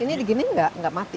ini begini tidak mati